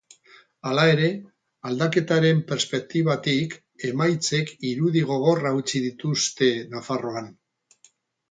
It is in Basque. Hala ere, aldaketaren perspektibatik, emaitzek irudi gogorrak utzi dituzte Nafarroan.